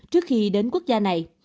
trước khi đến quốc gia này